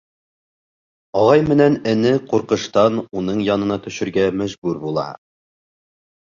Ағай менән эне ҡурҡыштан уның янына төшөргә мәжбүр була.